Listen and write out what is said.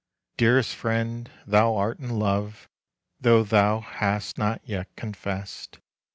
Dearest friend, thou art in love, Though thou hast not yet confessed.